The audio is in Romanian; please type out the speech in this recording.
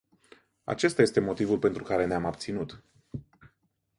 Acesta este motivul pentru care ne-am abținut.